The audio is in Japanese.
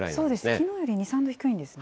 きのうより２、３度低いんですね。